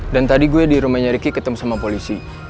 dan tadi gue di rumahnya riki ketemu sama polisi